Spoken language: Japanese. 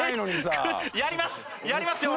やりますよ。